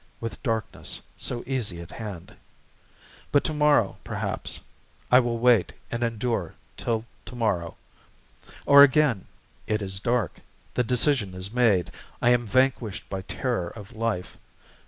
with darkness, so easy, at hand!... But to morrow, perhaps.... I will wait and endure till to morrow!..." Or again: "It is dark. The decision is made. I am vanquished By terror of life.